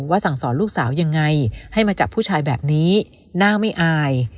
สั่งสอนลูกสาวยังไงให้มาจับผู้ชายแบบนี้หน้าไม่อาย